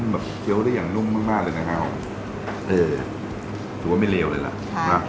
แบบเคี้ยวได้อย่างนุ่มมากมากเลยนะครับเออถือว่าไม่เลวเลยล่ะ